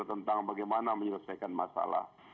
tentang bagaimana menyelesaikan masalah